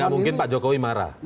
ya nggak mungkin pak jokowi marah